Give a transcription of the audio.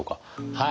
はい。